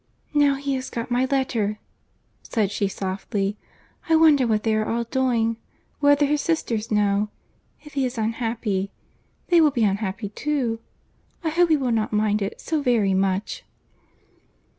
"Now he has got my letter," said she softly. "I wonder what they are all doing—whether his sisters know—if he is unhappy, they will be unhappy too. I hope he will not mind it so very much."